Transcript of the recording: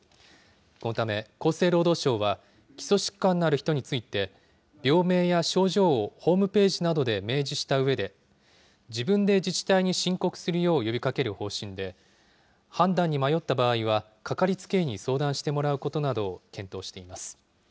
このため厚生労働省は基礎疾患のある人について、病名や症状をホームページなどで明示したうえで、自分で自治体に申告するよう呼びかける方針で、判断に迷った場合はかかりつけ医に相談してもらうことなどを検討しています。